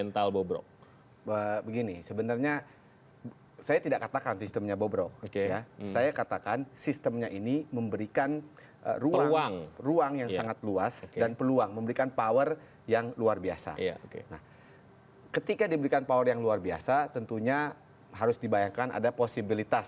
tetap lo bersama kami